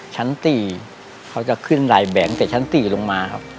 ชั้นสี่เขาจะขึ้นลายแบ่งแต่ชั้นสี่ลงมาครับ